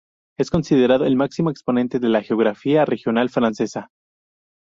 Es considerado el máximo exponente de la geografía regional francesa.